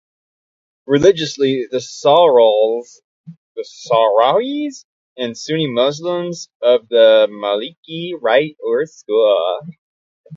Religiously, the Sahrawis are Sunni Muslims of the Maliki rite or school.